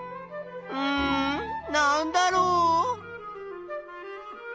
うんなんだろう？